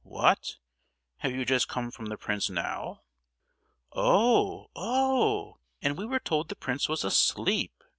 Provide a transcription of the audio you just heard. What! have you just come from the prince now?" "Oh—oh! and we were told the prince was asleep!"